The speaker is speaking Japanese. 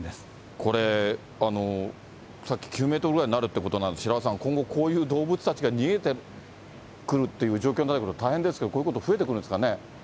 これ、さっき９メートルぐらいになるっていうことなんですけど、白輪さん、今後こういう動物たちが逃げてくるっていう状況になってくると、大変ですけど、こういうこと増えてくるんですかね。